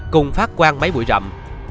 cùng phát quan mấy buổi rậm